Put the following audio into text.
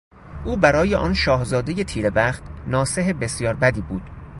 او برای آن شاهزادهی تیره بخت ناصح بسیار بدی بود.